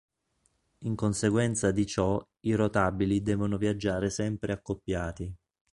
In conseguenza di ciò i rotabili devono viaggiare sempre accoppiati.